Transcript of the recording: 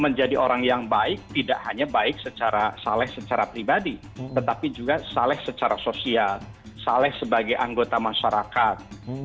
menjadi orang yang baik tidak hanya baik secara saleh secara pribadi tetapi juga saleh secara sosial saleh sebagai anggota masyarakat